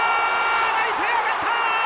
ライトへ上がった！